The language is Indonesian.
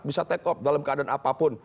bisa take off dalam keadaan apapun